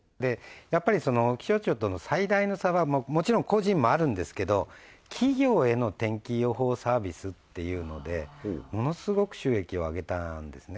やっぱり気象庁との最大の差はもちろん個人もあるんですけど企業への天気予報サービスっていうのでものすごく収益をあげたんですね